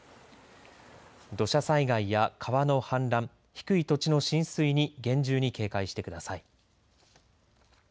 土砂災害や川の氾濫、低い土地の浸水に厳重に警戒してください。